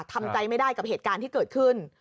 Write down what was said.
ทำใจไม่ได้กับเหตุการณ์ที่เกิดขึ้น